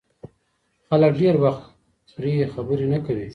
خلک ډېر وخت پرې خبرې نه کوي.